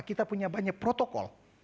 kita punya banyak protokol